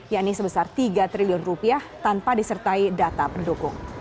yakni sebesar tiga triliun rupiah tanpa disertai data pendukung